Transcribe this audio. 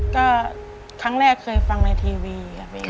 ก็ครั้งแรกเคยฟังในทีวีค่ะ